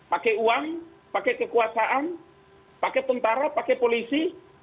pakai uang pakai kekuasaan pakai tentara pakai polisi